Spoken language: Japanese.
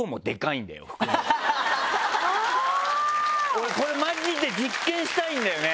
俺これマジで実験したいんだよね。